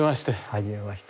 はじめまして。